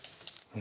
何？